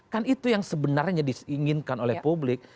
kan itu yang sebenarnya diinginkan oleh publik